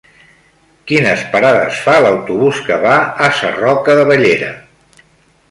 Quines parades fa l'autobús que va a Sarroca de Bellera?